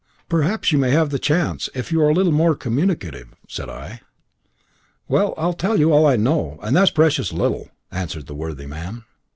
"Perhaps you may have the chance, if you are a little more communicative," said I. "Well, I'll tell you all I know, and that is precious little," answered the worthy man.